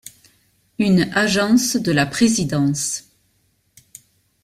Une Agence de la Présidence.